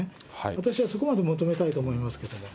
私はそこまで求めたいと思いますけれども。